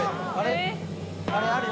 あれ？